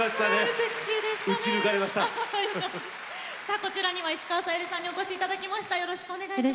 こちらには石川さゆりさんにお越しいただきました。